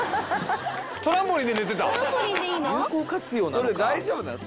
それ大丈夫なん？